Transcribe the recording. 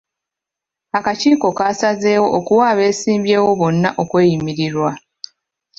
Akakiiko kaasazeewo okuwa abeesimbyewo bonna okweyimirirwa.